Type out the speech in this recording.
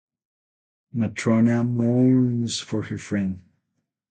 Matrona mourns for her friend.